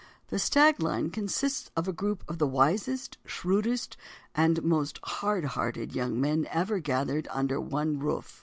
The "stag line" consists of a group of the wisest, shrewdest and most hard hearted young men ever gathered together under one roof.